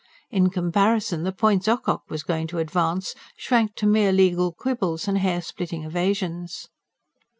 In comparison, the points Ocock was going to advance shrank to mere legal quibbles and hair splitting evasions.